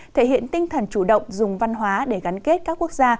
thể hiện tinh thần chủ động dùng văn hóa để gắn kết các quốc gia